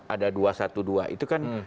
ada dua satu dua itu kan